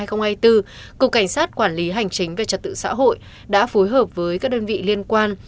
cục cảnh sát quản lý hành chính về trật tự xã hội đã phối hợp với các đơn vị liên quan